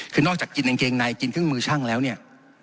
คือนอกจากกินกางเกงในกินเครื่องมือช่างแล้วเนี่ย